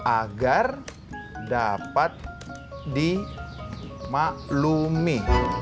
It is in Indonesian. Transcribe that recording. agar dapat dimaklumi